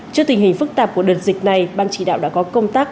trước tình hình phức tạp của đợt dịch này ban chỉ đạo đã có công tác